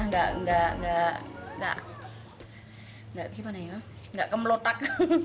enggak enggak enggak enggak gimana ya enggak kemelotak